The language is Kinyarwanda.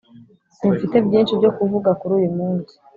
Simfite byishi byokuvuga kuruyu munsi